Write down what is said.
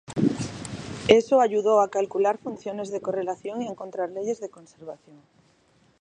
Eso ayudó a calcular funciones de correlación y a encontrar leyes de conservación.